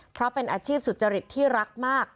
เพราะเป็นอาชีพสุจริตที่รักมาก